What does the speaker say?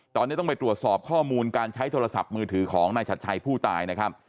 ตอนนี้ต้องไปตรวจสอบข้อมูลการใช้โทรศัพท์มือถือของนายชัดชัยผู้ตายนะครับ